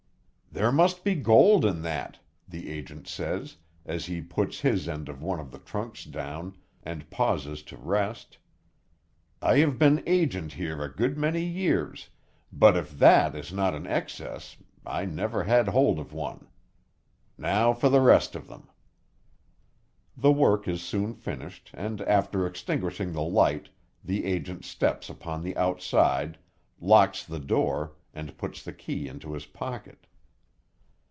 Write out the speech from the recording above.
"There must be gold in that," the agent says, as he puts his end of one of the trunks down, and pauses to rest. "I have been agent here a good many years; but if that is not an excess, I never had hold of one. Now for the rest of them." The work is soon finished, and after extinguishing the light the agent steps upon the outside, locks the door, and puts the key into his pocket.